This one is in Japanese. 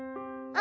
「あ！」